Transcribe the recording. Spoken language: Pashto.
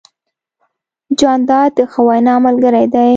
جانداد د ښه وینا ملګری دی.